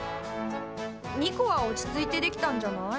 ニコは落ち着いてできたんじゃない？